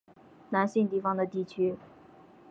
南信地方的地区。